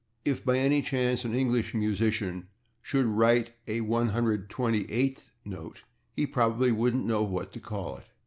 If, by any chance, an English musician should write a one hundred and twenty eighth note he probably wouldn't know what to call it.